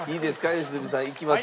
良純さんいきます。